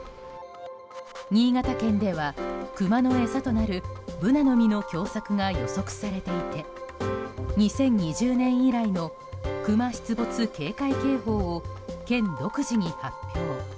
新潟県ではクマの餌となるブナの実の凶作が予測されていて２０２０年以来のクマ出没警戒警報を県独自に発表。